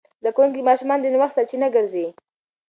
زده کوونکي ماشومان د نوښت سرچینه ګرځي.